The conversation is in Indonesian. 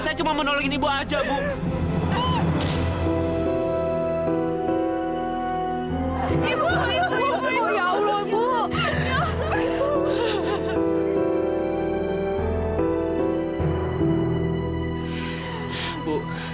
saya cuma mau nolongin ibu aja ibu